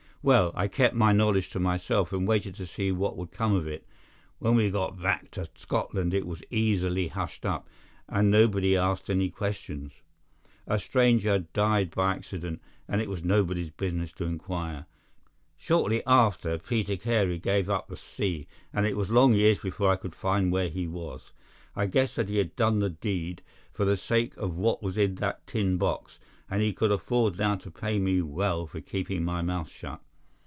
Well, I kept my knowledge to myself, and waited to see what would come of it. When we got back to Scotland it was easily hushed up, and nobody asked any questions. A stranger died by accident and it was nobody's business to inquire. Shortly after Peter Carey gave up the sea, and it was long years before I could find where he was. I guessed that he had done the deed for the sake of what was in that tin box, and that he could afford now to pay me well for keeping my mouth shut.